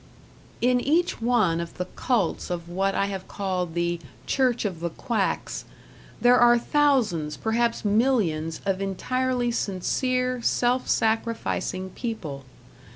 In each one of the cults of what I have called the "Church of the Quacks", there are thousands, perhaps millions of entirely sincere, self sacrificing people.